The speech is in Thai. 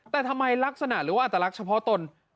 แต่ทำไมลักษณะหรือว่าอัตลักษณ์เฉพาะตน